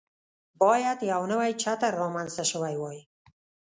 باید یو نوی چتر رامنځته شوی وای.